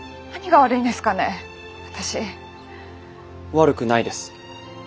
悪くないです。